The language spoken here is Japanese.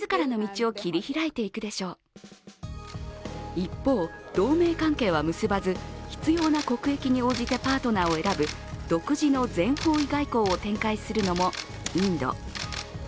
一方、同盟関係は結ばず必要な国益に応じてパートナーを選ぶ独自の全方位外交を展開するのもインド。